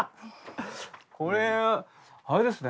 これあれですね